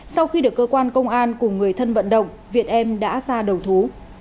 sau khi được cơ quan công an cùng người thân vận động việt em đã ra đầu thú